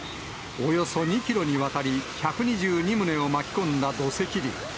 およそ２キロにわたり１２２棟を巻き込んだ土石流。